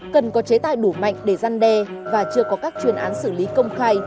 cần có chế tài đủ mạnh để gian đe và chưa có các chuyên án xử lý công khai